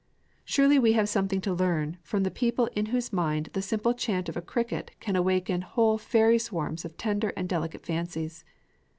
Surely we have something to learn from the people in whose mind the simple chant of a cricket can awaken whole fairy swarms of tender and delicate fancies.